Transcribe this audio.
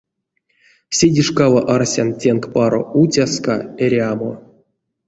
Седейшкава арсян тенк паро уцяска, эрямо.